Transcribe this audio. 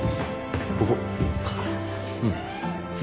ここ。